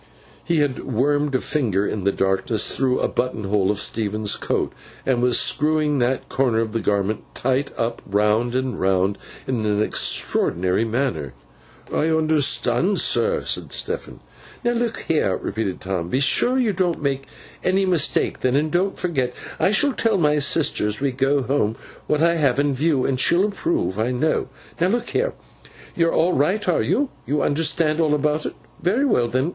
He had wormed a finger, in the darkness, through a button hole of Stephen's coat, and was screwing that corner of the garment tight up round and round, in an extraordinary manner. 'I understand, sir,' said Stephen. 'Now look here!' repeated Tom. 'Be sure you don't make any mistake then, and don't forget. I shall tell my sister as we go home, what I have in view, and she'll approve, I know. Now look here! You're all right, are you? You understand all about it? Very well then.